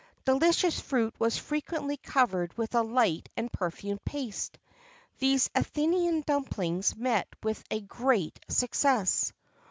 [XXIV 11] Delicious fruit was frequently covered with a light and perfumed paste.[XXIV 12] These Athenian dumplings met with a great success.